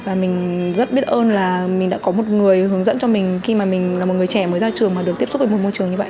và mình rất biết ơn là mình đã có một người hướng dẫn cho mình khi mà mình là một người trẻ mới ra trường mà được tiếp xúc với một môi trường như vậy